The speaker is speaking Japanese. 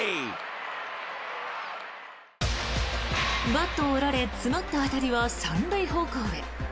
バットを折られ詰まった当たりは３塁方向へ。